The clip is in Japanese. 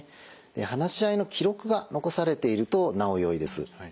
話し合いの記録が残されているとなおよいです。